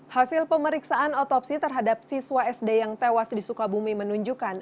hasil pemeriksaan otopsi terhadap siswa sd yang tewas di sukabumi menunjukkan